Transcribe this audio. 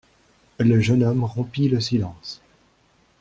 Le jeune homme rompit le silence.